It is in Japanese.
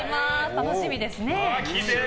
楽しみですね。